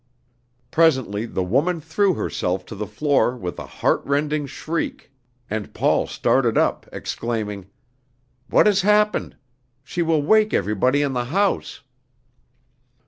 Presently the woman threw herself to the floor with a heart rending shriek, and Paul started up, exclaiming: "What has happened? She will wake everybody in the house!"